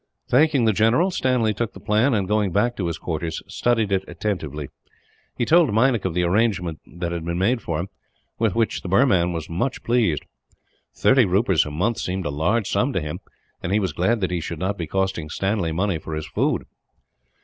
Thanking the general, Stanley took the plan and, going back to his quarters, studied it attentively. He told Meinik of the arrangement that had been made for him, with which the Burman was much pleased. Thirty rupees a month seemed a large sum to him, and he was glad that he should not be costing Stanley money for his food.